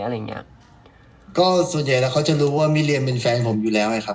อะไรอย่างเงี้ยก็ส่วนใหญ่แล้วเขาจะรู้ว่ามิเรียนเป็นแฟนผมอยู่แล้วไงครับ